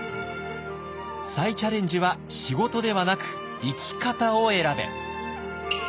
「再チャレンジは仕事ではなく生き方を選べ！」。